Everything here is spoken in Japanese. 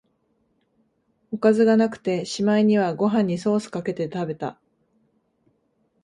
おかずがなくて、しまいにはご飯にソースかけて食べた